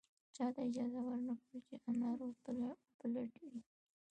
چاته اجازه ور نه کړو چې اثار و پلټنې.